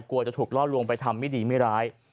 กลัวจะถูกล่อลวงไปทำไม่ดีไม่ร้าย